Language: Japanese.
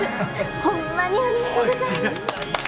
ホンマにありがとうございます！